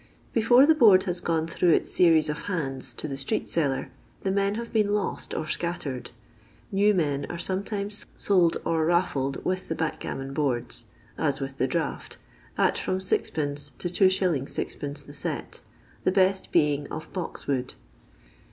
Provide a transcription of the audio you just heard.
Before the board has gone through its series of hands to the street seller, the men have been lost or scattered. New men are sometimes sold or rafiied with the backgammon boards (as with the draught) at from Gd. to 2s, 6d. the set, the best being of box wood.